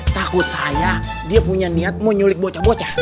takut saya dia punya niat mau nyulik bocah bocah